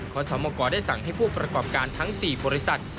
ขอสมกรได้สั่งให้ผู้ประกอบการทั้ง๔บริษัท